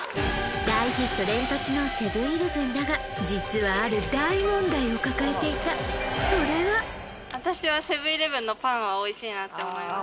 大ヒット連発のセブン−イレブンだが実はある大問題を抱えていたそれは私はセブン−イレブンのパンはおいしいなって思います